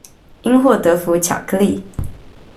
因禍得福巧克力